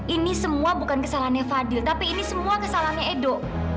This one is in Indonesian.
ini semua bukan kesalahannya fadil tapi ini semua kesalahannya edo